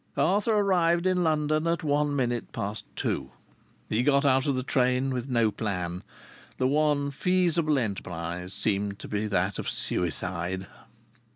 Arthur arrived in London at one minute past two. He got out of the train with no plan. The one feasible enterprise seemed to be that of suicide.